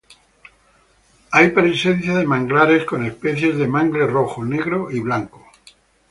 Hay presencia de manglares con especies de mangle rojo, negro y blanco.